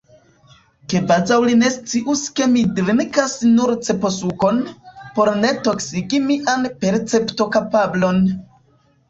Kvazaŭ li ne scius ke mi drinkas nur ceposukon, por ne toksigi mian perceptokapablon!